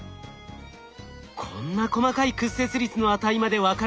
こんな細かい屈折率の値まで分かるんですね。